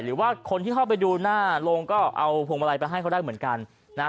หรือว่าคนที่เข้าไปดูหน้าโรงก็เอาพวงมาลัยไปให้เขาได้เหมือนกันนะฮะ